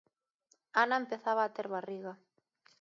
Ana empezaba a ter barriga.